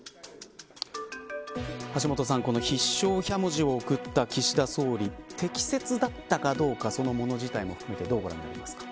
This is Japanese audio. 橋下さん、この必勝しゃもじを贈った岸田総理適切だったかどうかそのもの自体も含めてどうご覧なりますか。